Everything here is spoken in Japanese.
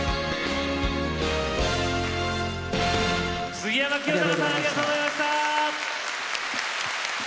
杉山清貴さんありがとうございました。